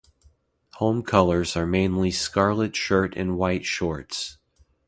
Home colours are mainly scarlet shirt and white shorts.